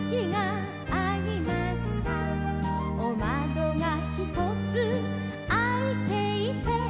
「おまどがひとつあいていて」